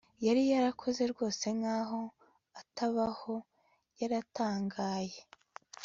yari yarakoze rwose nkaho atabaho. yaratangaye